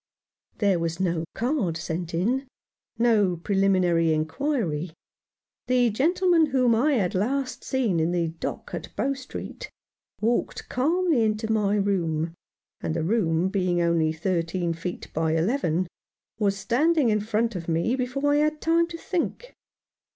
There was no card sent in — no preliminary inquiry. The gentleman whom I had last seen in the dock at Bow Street walked calmly into my 175 Rough Justice. room, and the room being only thirteen feet by eleven, was standing in front of me before I had tim~ to think.